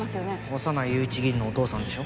小山内雄一議員のお父さんでしょ？